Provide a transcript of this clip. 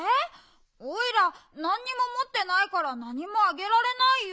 オイラなんにももってないからなにもあげられないよ。